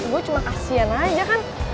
gue cuma kasian aja kan